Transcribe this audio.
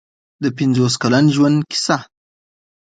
د پنځوس کلن ژوند کیسه.